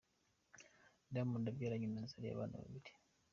Diamond yabyaranye na Zari abana babiri.